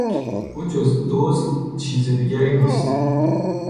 او جز دزد چیز دیگری نیست.